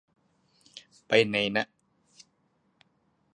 ไปไหน !